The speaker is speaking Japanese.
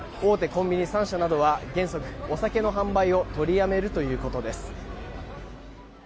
コンビニ３社などは原則、お酒の販売を取りやめるということです。